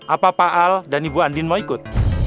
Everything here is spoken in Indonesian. apa pak al dan ibu andin mau ikut